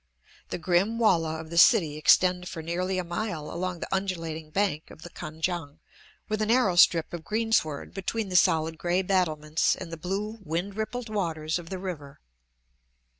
The grim walla of the city extend for nearly a mile along the undulating bank of the Kan kiang, with a narrow strip of greensward between the solid gray battlements and the blue, wind rippled waters of the river.